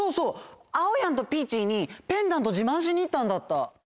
あおやんとピーチーにペンダントじまんしにいったんだった。